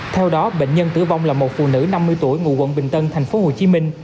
theo đó bệnh nhân tử vong là một phụ nữ năm mươi tuổi ngụ quận bình tân tp hcm